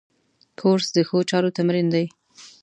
کورس د ښو چارو تمرین دی.